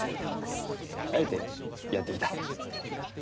あえてやって来た。